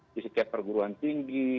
di setiap perguruan tinggi